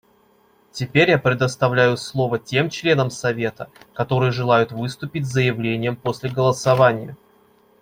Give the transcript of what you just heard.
Теперь я предоставляю слово тем членам Совета, которые желают выступить с заявлениями после голосования.